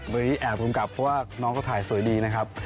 วันนี้แอบทุนกลับเพราะว่าน้องก็ถ่ายสวยดีนะครับ